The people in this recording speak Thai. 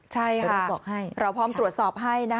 ใช่ค่ะบอกให้เราพร้อมตรวจสอบให้นะคะ